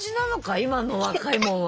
今の若いもんは。